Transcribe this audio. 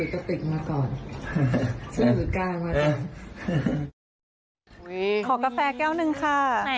ขอกาแฟแก้วนึงค่ะ